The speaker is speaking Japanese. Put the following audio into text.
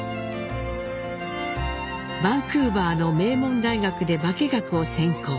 バンクーバーの名門大学で化学を専攻。